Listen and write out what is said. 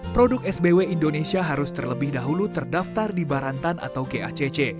produk sbw indonesia harus terlebih dahulu terdaftar di barantan atau gacc